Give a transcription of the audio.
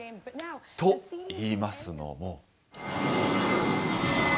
といいますのも。